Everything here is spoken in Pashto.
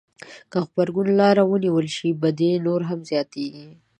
که غبرګون لاره ونیول شي بدي نوره هم زياتېږي.